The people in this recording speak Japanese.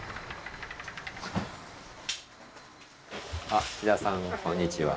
あっ土田さんこんにちは。